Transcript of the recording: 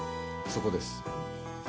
そこです。